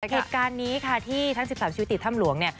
เหตุการณ์นี้ค่ะที่ทั้ง๑๓ชีวิตติดถ้ำหลวงเนี่ย